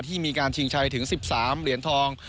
มีการชิงชัยถึง๑๓เหรียญทอง